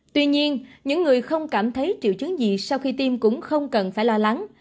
tuy nhiên những người không cảm thấy triệu chứng gì sau khi tiêm cũng không cần phải lo lắng